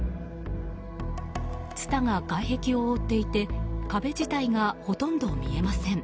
ツタが外壁を覆っていて壁自体がほとんど見えません。